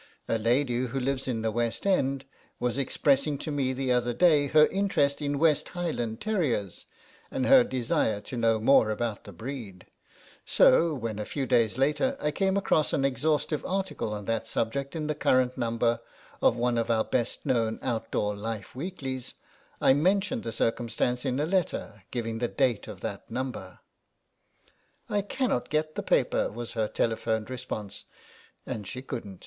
A lady who lives in the West End was ex 28 THE SEX THAT DOESNT SHOP pressing to me the other day her interest in West Highland terriers, and her desire to know more about the breed, so when, a few days later, I came across an exhaustive article on that subject in the current number of one of our best known outdoor life weeklies, I mentioned the circumstance in a letter, giving the date of that number. " I cannot get the paper," was her telephoned response. And she couldn't.